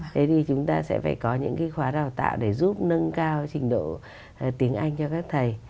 thế thì chúng ta sẽ phải có những cái khóa đào tạo để giúp nâng cao trình độ tiếng anh cho các thầy